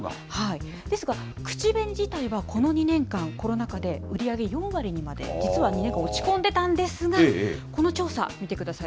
ですが、口紅自体はこの２年間、コロナ禍で、売り上げ４割にまで、実は２年間、落ち込んでたんですが、この調査、見てください。